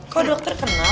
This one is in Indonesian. kok dokter kenal